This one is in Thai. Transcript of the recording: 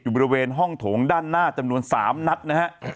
บริเวณห้องโถงด้านหน้าจำนวน๓นัดนะฮะ